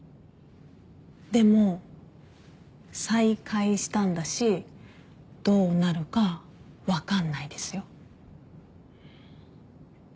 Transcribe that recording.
でも再会したんだしどうなるか分かんないですよ。